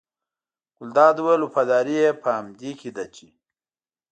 ګلداد وویل وفاداري یې په همدې کې ده چې.